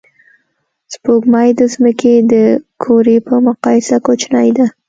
سپوږمۍ د ځمکې د کُرې په مقایسه کوچنۍ ده